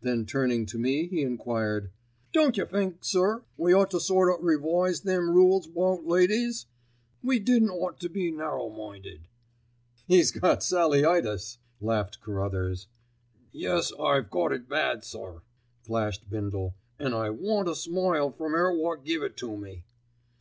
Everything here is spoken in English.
Then turning to me he enquired: "Don't yer think, sir, we ought to sort o' revise them rules about ladies? We didn't ought to be narrow minded." "He's got Sallyitis," laughed Carruthers. "Yes, I got it bad, sir," flashed Bindle, "an' I want a smile from 'er wot give it to me."